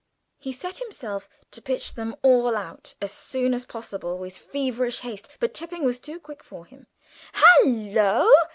He set himself to pitch them all out as soon as possible with feverish haste, but Tipping was too quick for him. "Hallo!"